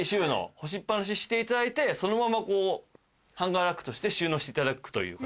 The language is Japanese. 干しっ放ししていただいてそのままこうハンガーラックとして収納していただくという。